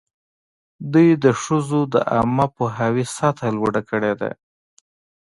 دوی د ښځو د عامه پوهاوي سطحه لوړه کړې ده.